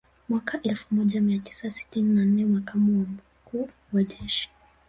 Mwaka elfu moja mia tisa sitini na nne Makamu wa Mkuu wa Jeshi